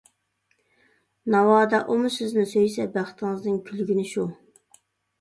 ناۋادا ئۇمۇ سىزنى سۆيسە بەختىڭىزنىڭ كۈلگىنى شۇ!